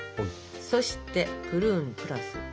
そしてプルーンプラス